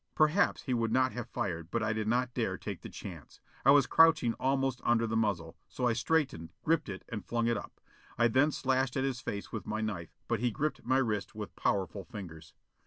Perhaps he would not have fired, but I did not dare take the chance. I was crouching almost under the muzzle, so I straightened, gripped it, and flung it up. I then slashed at his face with my knife, but he gripped my wrist with powerful fingers.